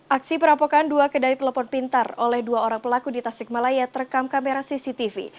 aksi perampokan dua kedai telepon pintar oleh dua orang pelaku di tasikmalaya terekam kamera cctv